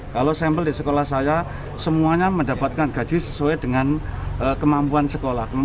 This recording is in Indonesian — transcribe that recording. kalau sampel di sekolah saya semuanya mendapatkan gaji sesuai dengan kemampuan sekolah